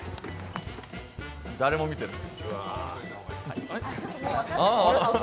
誰も見てない。